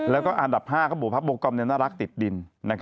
แล้วก็อันดับ๕พระโบกรมนี่น่ารักติดดิน